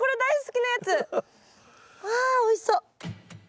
あおいしそう！